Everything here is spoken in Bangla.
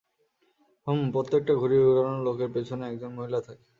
হুম, প্রত্যেকটা ঘুড়ি উড়ানো লোকের পেছনে একজন মহিলা থাকে!